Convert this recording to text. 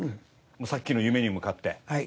もうさっきの夢に向かって。